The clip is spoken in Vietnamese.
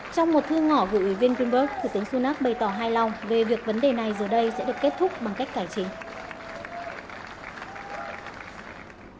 trong một thư ngỏ gửi ủy viên grunberg thủ tướng sunak bày tỏ hài lòng về việc vấn đề này giờ đây sẽ được kết thúc bằng cách cải trình